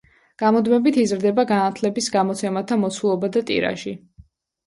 გამუდმებით იზრდება „განათლების“ გამოცემათა მოცულობა და ტირაჟი.